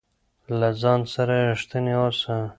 له ځان سره رښتينی اوسه